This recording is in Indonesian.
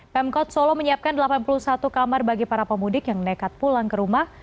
pemkot solo menyiapkan delapan puluh satu kamar bagi para pemudik yang nekat pulang ke rumah